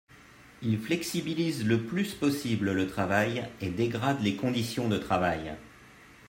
Il flexibilise le plus possible le travail et dégrade les conditions de travail.